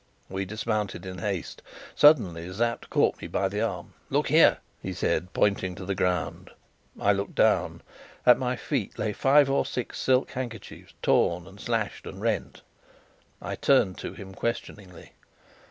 We dismounted in haste. Suddenly Sapt caught me by the arm. "Look there!" he said, pointing to the ground. I looked down. At my feet lay five or six silk handkerchiefs, torn and slashed and rent. I turned to him questioningly.